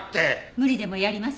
無理でもやります。